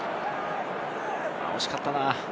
惜しかったな。